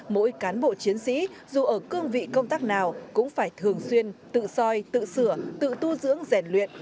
mỗi cán bộ chiến sĩ dù ở cương vị công tác nào cũng phải thường xuyên tự soi tự sửa tự tu dưỡng rèn luyện